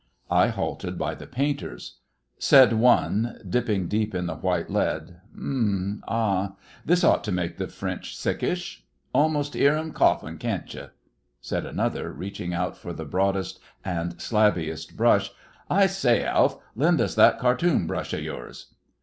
I halted by the painters. Said one, dipping deep in the white lead: 'Um, ah! This ought to make the French sickish. Almost 'ear 'em coughin', can't you?' Said another, reaching out for the broadest and slabbiest brush: 'I say, Alf, lend us that Khartoum brush o' yours.